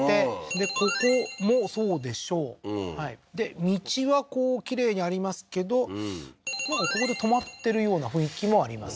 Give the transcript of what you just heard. でここもそうでしょうはいで道はこうきれいにありますけどここで止まってるような雰囲気もありますね